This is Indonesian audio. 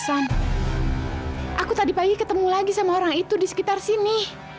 aku tadi pagi ketemu lagi sama orang itu di sekitar sini